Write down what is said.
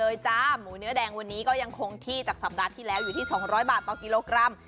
อยู่ที่๔๘บาทต่อโฟร์